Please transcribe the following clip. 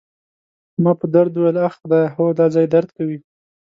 ما په درد وویل: اخ، خدایه، هو، دا ځای درد کوي.